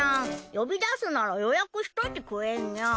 呼び出すなら予約しといてくれニャン。